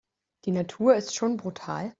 Die Natur ist schon brutal.